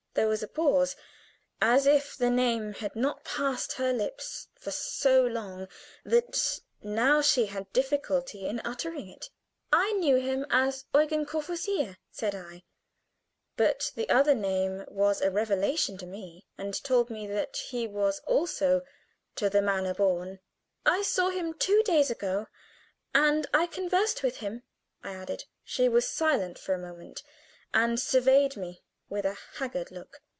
There was a pause, as if the name had not passed her lips for so long that now she had difficulty in uttering it. "I knew him as Eugen Courvoisier," said I; but the other name was a revelation to me, and told me that he was also "to the manner born." "I saw him two days ago, and I conversed with him," I added. She was silent for a moment, and surveyed me with a haggard look.